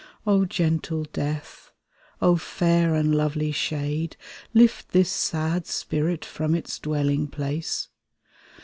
"O gentle death ! O fair and lovely shade, Lift this sad spirit from its dwelling place